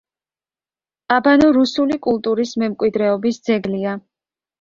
აბანო რუსული კულტურის მემკვიდრეობის ძეგლია.